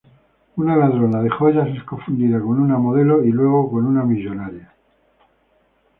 Una ladrona de joyas es confundida con una modelo y, luego, con una millonaria.